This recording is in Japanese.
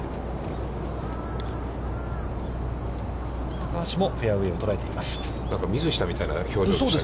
高橋もフェアウェイを捉えています。